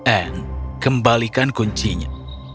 anne kembalikan kuncinya